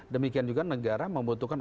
demikian juga negara membutuhkan